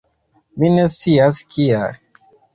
Mi ne scias kial.